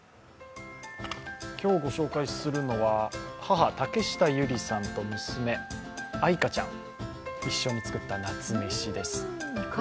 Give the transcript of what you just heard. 今日ご紹介するのは母・竹下祐理さんと娘の愛果ちゃん一緒に作った夏メシです。